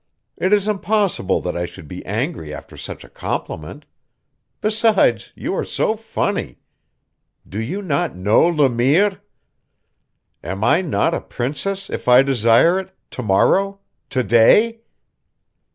It is impossible that I should be angry after such a compliment. Besides, you are so funny! Do you not know Le Mire? Am I not a princess if I desire it tomorrow today?